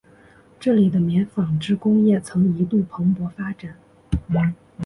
这里的棉纺织工业曾一度蓬勃发展。